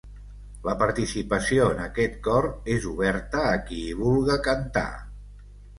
La participació en aquest cor és oberta a qui hi vulga cantar.